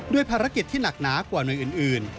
ด้วยภารกิจที่หนักหนากว่าเมืองอื่น